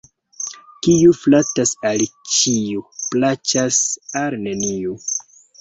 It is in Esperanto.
Kiu flatas al ĉiu, plaĉas al neniu.